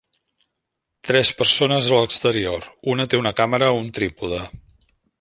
Tres persones a l'exterior, una té una càmera a un trípode.